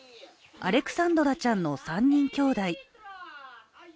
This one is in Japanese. アレクサンドラちゃんの３人きょうだい。